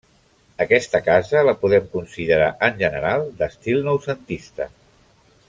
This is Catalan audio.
Aquesta casa, la podem considerar, en general, d'estil noucentista.